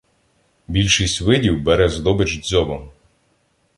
Більшість видів бере здобич дзьобом.